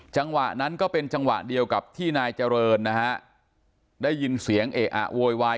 จังหวะนั้นก็เป็นจังหวะเดียวกับที่นายเจริญนะฮะได้ยินเสียงเอะอะโวยวาย